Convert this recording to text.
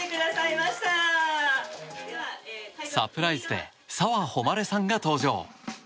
サプライズで澤穂希さんが登場。